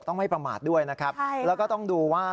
ไม่ประมาทด้วยนะครับแล้วก็ต้องดูว่า